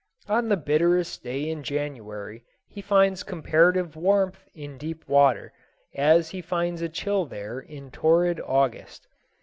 On the bitterest day in January he finds comparative warmth in deep water, as he finds a chill there in torrid August.